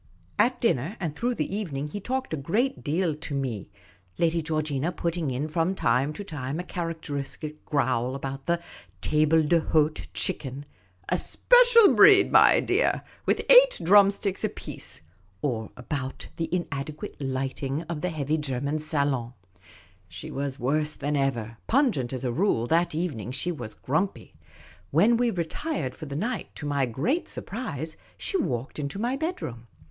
At dinner and through the evening he talked a great deal to me, Lady Georgina putting in from time to time a char acteristic growl about the tablc d'hdte chicken —" a special breed, my dear, with eight drumsticks apiece" — or about the inadequate lighting of the heavy German salo7t. She was worse than ever ; pungent as a rule, that evening she was grumpy. When we retired for the night, to my great surprise, she walked into my bedroom.